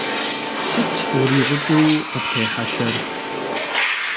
Сыт урищӀыкӀыу къыптехьэлъэр?